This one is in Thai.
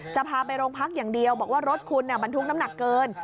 จะพาไปโรงพักอย่างเดียวบอกว่ารถคุณบรรทุกน้ำหนักเกิน